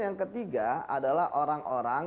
yang ketiga adalah orang orang